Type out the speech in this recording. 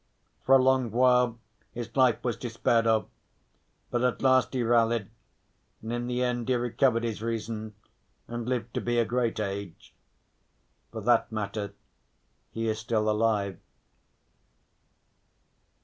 For a long while his life was despaired of, but at last he rallied, and in the end he recovered his reason and lived to be a great age, for that matter he is still alive.